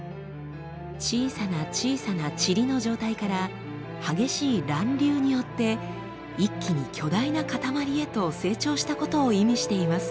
小さな小さなチリの状態から激しい乱流によって一気に巨大なかたまりへと成長したことを意味しています。